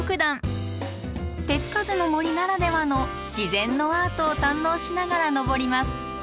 手付かずの森ならではの自然のアートを堪能しながら登ります。